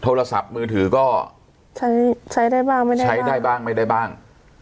โทรศัพท์มือถือก็ใช้ใช้ได้บ้างไม่ได้ใช้ได้บ้างไม่ได้บ้าง